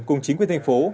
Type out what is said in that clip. cùng chính quyền thành phố